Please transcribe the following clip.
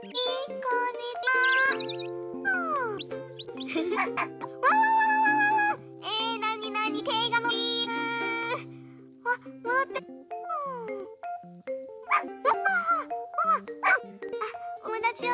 こんにちは！